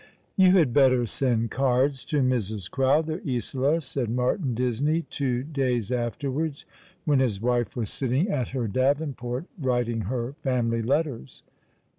'' You had better send cards to Mrs. Crowther, Isola," said Martin Disney, two days afterwards, when his wife was sitting at her Davenport writing her family letters.